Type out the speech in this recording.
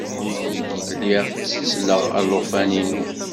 Lliɣ ttettleɣ alufan-inu.